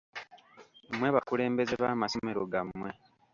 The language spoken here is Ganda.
Mmwe bakulembeze b'amasomero gammwe.